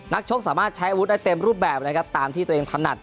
นักชกสามารถใช้อาวุธในเต็มรูปแบบตามที่ตัวเองถนัด